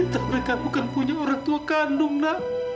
tapi kamu kan punya orang tua kandung nak